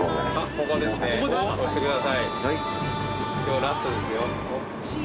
今日ラストですよ。